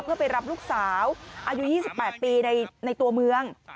เพื่อไปรับลูกสาวอายุ๒๘ปีในตัวเมือง